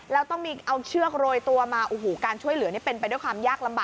แล้วต้องมีเอาเชือกโรยตัวมาโอ้โหการช่วยเหลือนี่เป็นไปด้วยความยากลำบาก